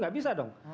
tidak bisa dong